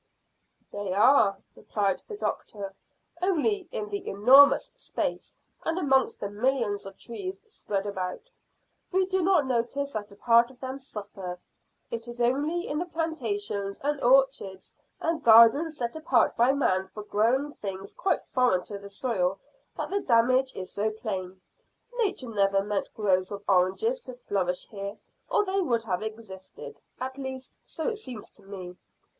"They are," replied the doctor; "only in the enormous space and amongst the millions of trees spread about, we do not notice that a part of them suffer. It is only in the plantations and orchards and gardens set apart by man for growing things quite foreign to the soil, that the damage is so plain. Nature never meant groves of oranges to flourish here, or they would have existed at least, so it seems to me.